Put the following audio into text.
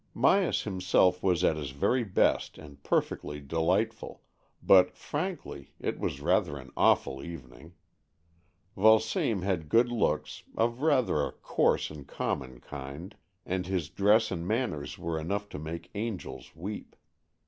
Myas himself was at his very best and perfectly delightful, but frankly, it was rather an awful evening. Vulsame had good looks, of rather a coarse and common kind, and his dress and manners were enough to make angels weep.